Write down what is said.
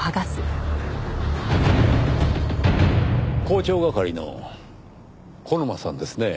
広聴係の小沼さんですね。